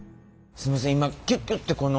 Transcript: すいません